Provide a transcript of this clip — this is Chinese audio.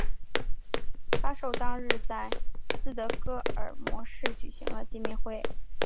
发售当日在斯德哥尔摩市内举行了见面会。